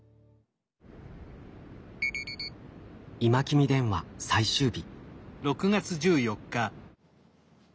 「今君電話」最終日。